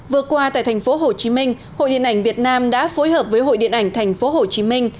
vừa qua tại thành phố hồ chí minh hội điện ảnh việt nam đã phối hợp với hội điện ảnh thành phố hồ chí minh